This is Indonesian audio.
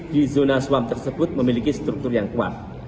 di zona suam tersebut memiliki struktur yang kuat